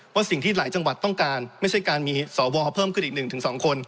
ว่าสิ่งที่หลายจังหวัดต้องการไม่ใช่การมีสอวอเพิ่มขึ้นอีกหนึ่งถึงสองคน